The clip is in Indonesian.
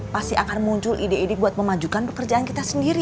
pasti akan muncul ide ide buat memanfaatkan kita untuk berkembang ke dunia kita